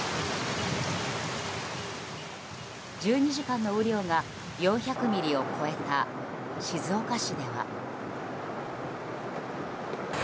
１２時間の雨量が４００ミリを超えた静岡市では。